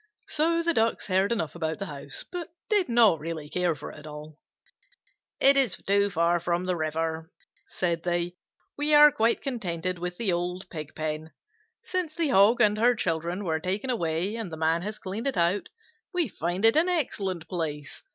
So the Ducks heard enough about the house, but did not really care for it at all. "It is too far from the river," said they. "We are quite contented with the old Pig pen. Since the Hog and her children were taken away and the Man has cleaned it out, we find it an excellent place.